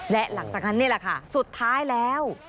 และหลังจากนั้นนี่แหละค่ะสุดท้ายแล้ว